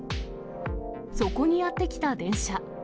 そこにやって来た電車。